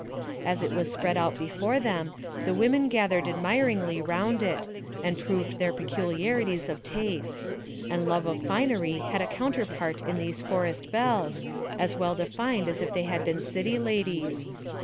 As it was spread out before them, the women gathered admiringly round it, and proved their pecu liarities of taste; and love of finery had a counterpart in these forest belles, as well defined as if they had been city ladies.